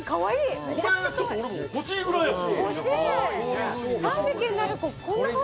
かわいい。